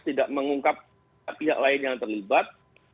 tidak mengungkap pihak lain yang terlibat